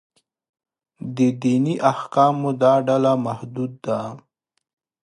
د دیني احکامو دا ډله محدود ده.